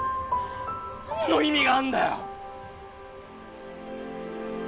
何の意味があんだよ！